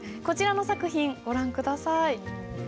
こちらの作品ご覧下さい。